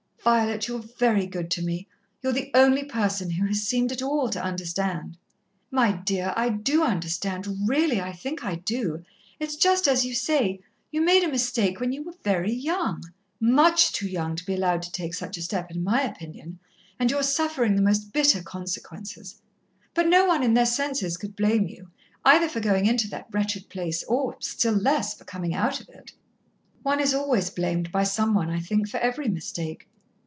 "Violet, you're very good to me. You're the only person who has seemed at all to understand." "My dear, I do understand. Really, I think I do. It's just as you say you made a mistake when you were very young much too young to be allowed to take such a step, in my opinion and you're suffering the most bitter consequences. But no one in their senses could blame you, either for going into that wretched place, or still less for coming out of it." "One is always blamed by some one, I think, for every mistake.